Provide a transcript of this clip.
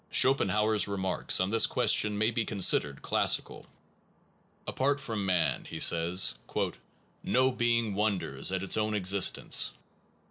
Schopenhauer s remarks on this question may be considered classical. Apart from man, he says, no being wonders at its own existence.